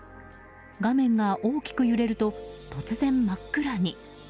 画面が大きく揺れると突然、真っ暗に。